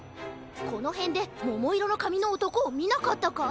このへんでももいろのかみのおとこをみなかったか？